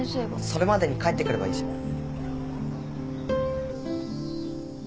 それまでに帰って来ればいいじゃん。